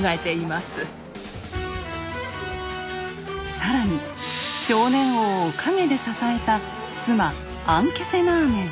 更に少年王を陰で支えた妻・アンケセナーメン。